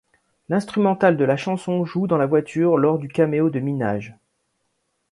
L'instrumentale de la chanson joue dans la voiture lors du caméo de Minaj.